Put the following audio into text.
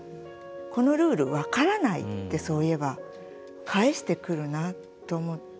このルール分からない」ってそういえば返してくるなと思って。